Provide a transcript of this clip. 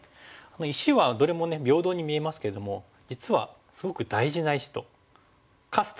石はどれも平等に見えますけれども実はすごく大事な石とカスと呼ばれるカス石。